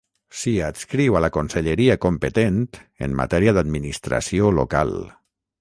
S'hi adscriu a la conselleria competent en matèria d'administració local.